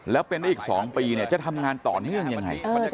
แล้วเป็นได้อีก๒ปีจะทำงานต่อเนื่องยังไง